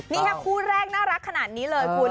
นี่แค่คู่แรกน่ารักขนาดนี้เลยคุณ